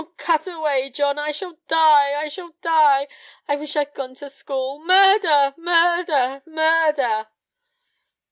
cut away, John! I shall die! I shall die! I wish I'd gone to school! Murder! murder!! murder!!!"